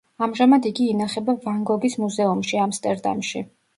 ამჟამად იგი ინახება ვან გოგის მუზეუმში, ამსტერდამში.